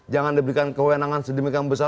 jangan diberikan kewenangan sedemikian besar